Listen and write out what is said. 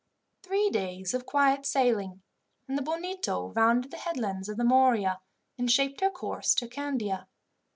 Three days of quiet sailing, and the Bonito rounded the headlands of the Morea, and shaped her course to Candia.